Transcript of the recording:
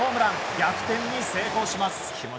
逆転に成功します。